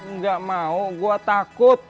nggak mau gue takut